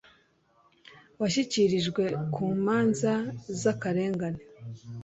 yashyikirijwe ku manza z akarengane